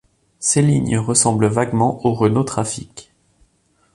Ses lignes ressemblent vaguement au Renault Trafic.